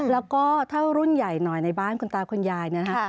แล้วก็ถ้ารุ่นใหญ่หน่อยในบ้านคุณตาคุณยาย